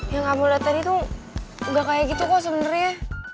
yang kamu lihat tadi tuh gak kayak gitu kok sebenarnya